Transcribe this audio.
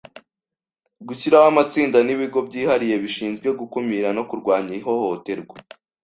gushyiraho amatsinda n’ibigo byihariye bishinzwe gukumira no kurwanya ihohoterwa